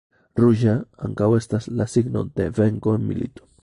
Ruĝa ankaŭ estas la signo de venko en milito.